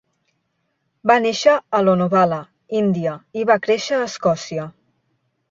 Va néixer a Lonavala, India, i va créixer a Escòcia.